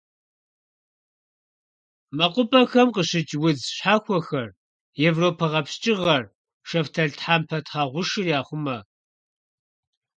МэкъупӀэхэм къыщыкӀ удз щхьэхуэхэр: европэ гъэпскӀыгъэр, шэфталтхъэмпэ тхьэгъушыр яхъумэ.